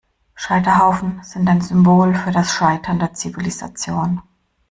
Scheiterhaufen sind ein Symbol für das Scheitern der Zivilisation.